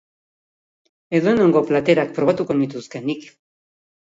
Edonongo platerak probatuko nituzke nik.